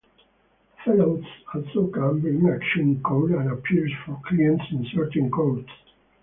Fellows also can bring action in court and appear for clients in certain courts.